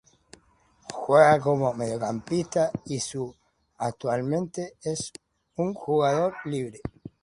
Juega como mediocampista y su actualmente es un jugador libre.